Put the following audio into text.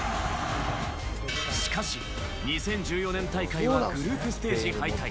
しかし、２０１４年大会はグループステージ敗退。